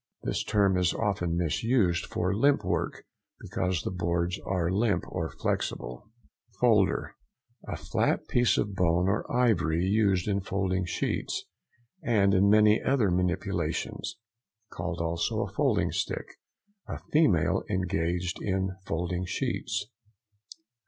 This term is often misused for limp work, because the boards are limp or flexible. FOLDER.—A flat piece of bone or ivory used in folding sheets, and in many other manipulations; called also a folding stick. A female engaged in folding sheets.